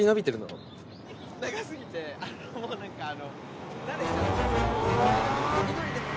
長すぎてなんかあの。